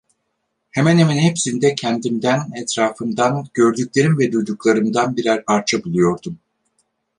Hemen hemen hepsinde kendimden, etrafımdan, gördüklerim ve duyduklarımdan birer parça buluyordum.